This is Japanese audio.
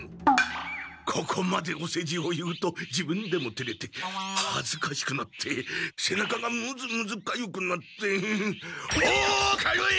ここまでおせじを言うと自分でもてれてはずかしくなってせなかがむずむずかゆくなっておおかゆい！